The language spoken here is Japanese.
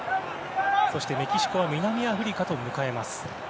メキシコは南アフリカと迎えます。